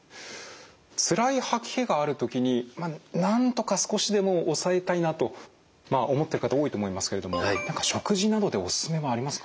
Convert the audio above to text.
つらい吐き気がある時になんとか少しでも抑えたいなと思ってる方多いと思いますけれども何か食事などでおすすめはありますか？